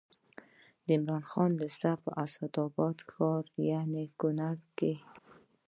د عمراخان لېسه په اسداباد ښار یا کونړ کې